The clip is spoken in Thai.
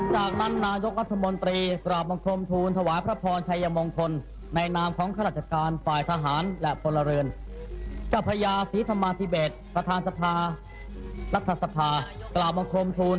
ทรงพระมหาพิชัยมงกุฎ